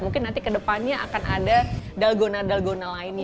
mungkin nanti ke depannya akan ada dalgona dalgona lainnya